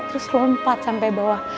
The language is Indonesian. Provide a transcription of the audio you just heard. terus lompat sampe bawah